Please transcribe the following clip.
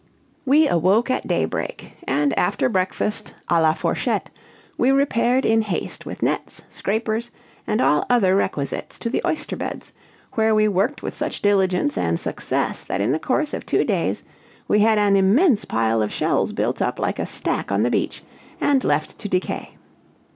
We awoke it daybreak, and after breakfast à la fourchette, we repaired in haste with nets, scrapers, and all other requisites, to the oyster beds, where we worked with such diligence and success that in the course of two days we had an immense pile of shells built up like a stack on the beach, and left to decay.